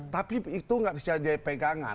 tapi itu gak bisa dipegangkan